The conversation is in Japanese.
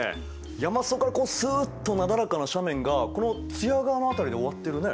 山裾からスッとなだらかな斜面がこの津屋川の辺りで終わってるね。